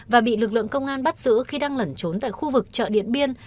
và bị lực lượng công an bắt giữ khi đang lẩn trốn tại khu vực chợ điện biên